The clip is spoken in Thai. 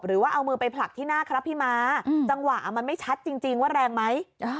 หรือว่าเอามือไปผลักที่หน้าครับพี่ม้าจังหวะมันไม่ชัดจริงว่าแรงไหม